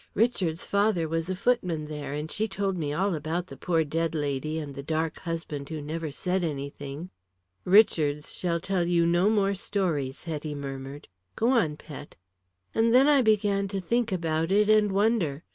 Richards' father was a footman there and she told me all about the poor dead lady and the dark husband who never said anything " "Richards shall tell you no more stories," Hetty murmured. "Go on, pet." "And then I began to think about it and wonder.